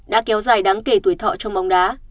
đã kéo dài đáng kể tuổi thọ trong bóng đá